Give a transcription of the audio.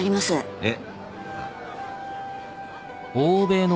えっ？